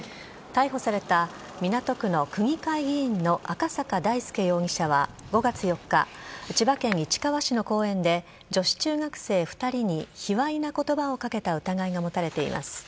逮捕された港区の区議会議員の赤坂大輔容疑者は５月４日、千葉県市川市の公園で女子中学生２人に卑わいな言葉を掛けた疑いが持たれています。